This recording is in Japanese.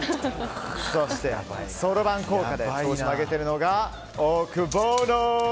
そして、そろばん効果で調子を上げているのがオオクボーノ。